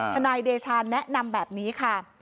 นายเดชาแนะนำแบบนี้ค่ะ